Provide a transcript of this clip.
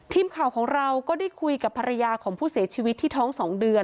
ทีมข่าวของเราก็ได้คุยกับภรรยาของผู้เสียชีวิตที่ท้อง๒เดือน